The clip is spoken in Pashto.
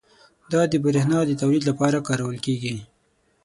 دا د بریښنا د تولید لپاره کارول کېږي.